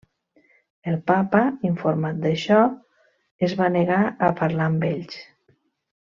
El Papa, informat d'això, es va negar a parlar amb ells.